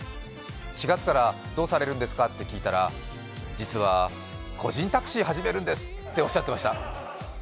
４月からどうされるんですかって聞いたら、実は個人タクシー始めるんですっておっしゃってました。